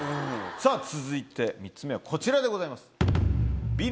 さぁ続いて３つ目はこちらでございます。